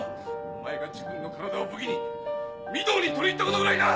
お前が自分の体を武器に御堂に取り入ったことぐらいな！